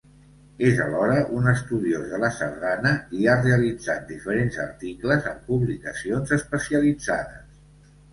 És alhora un estudiós de la sardana i ha realitzat diferents articles en publicacions especialitzades.